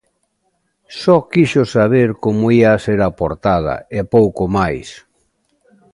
Só quixo saber como ía ser a portada e pouco máis.